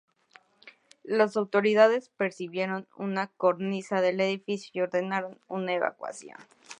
Las autoridades percibieron una cornisa del edificio y ordenaron una evacuación.